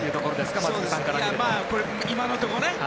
今のところね。